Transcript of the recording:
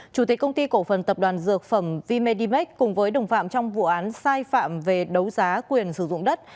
chủ tịch công ty cổ phần tập đoàn dược phẩm v medimax cùng với đồng phạm trong vụ án sai phạm về đấu giá quyền sử dụng đất